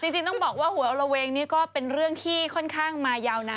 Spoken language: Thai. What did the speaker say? จริงต้องบอกว่าหัวละเวงนี่ก็เป็นเรื่องที่ค่อนข้างมายาวนาน